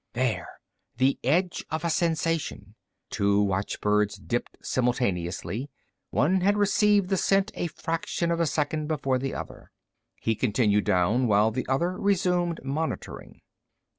There! The edge of a sensation! Two watchbirds dipped simultaneously. One had received the scent a fraction of a second before the other. He continued down while the other resumed monitoring.